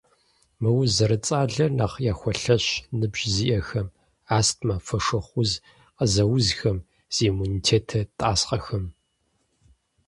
Мы уз зэрыцӀалэр нэхъ яхуэлъэщ ныбжь зиӀэхэм, астмэ, фошыгъу уз къызэузхэм, зи иммунитетыр тӀасхъэхэм.